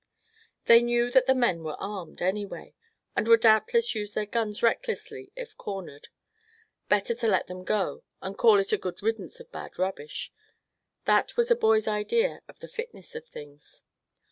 They knew that the men were armed, anyway, and would doubtless use their guns recklessly if cornered. Better to let them go, and call it a good riddance of bad rubbish; that was a boy's idea of the fitness of things.